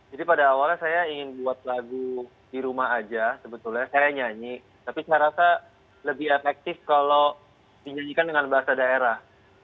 jadi pada awalnya saya ingin buat lagu dirumah aja sebetulnya saya nyanyi tapi saya rasa lebih efektif kalau dinyanyikan dengan bahasa daerah